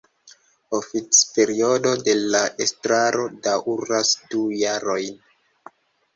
Oficperiodo de la estraro daŭras du jarojn.